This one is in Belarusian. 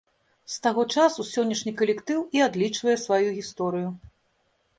З таго часу сённяшні калектыў і адлічвае сваю гісторыю.